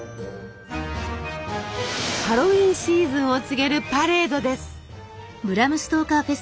ハロウィーンシーズンを告げるパレードです。